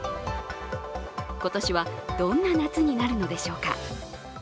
今年はどんな夏になるのでしょうか？